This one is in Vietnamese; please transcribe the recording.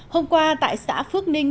hôm qua tại xã phước ninh